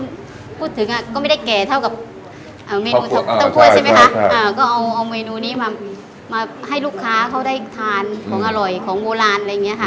ต้องพูดใช่ไหมคะก็เอาเมนูนี้มาให้ลูกค้าเขาได้ทานของอร่อยของโบราณอะไรอย่างเงี้ยค่ะ